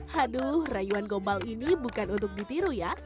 haduh rayuan gombal ini bukan untuk ditiru ya